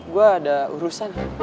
gue ada urusan